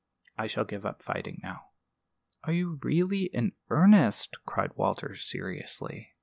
I shall give up fighting now." "Are you really in earnest?" cried Walter, seriously.